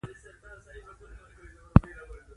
هغه به د ټيپيراري سندره بيا بيا له سره کوله